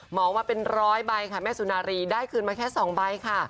หมอมาเป็น๑๐๐ใบแม่สุนารีได้คืนมาแค่๒ใบค่ะ